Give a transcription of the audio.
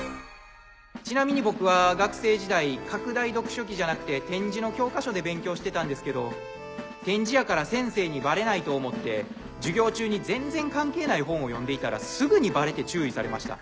ちなみに僕は学生時代拡大読書器じゃなくて点字の教科書で勉強してたんですけど点字やから先生にバレないと思って授業中に全然関係ない本を読んでいたらすぐにバレて注意されました。